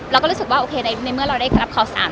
เราก็รู้สึกว่าโอเคในเมื่อเราได้รับข่าวสาร